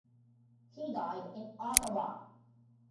He died in Ottawa.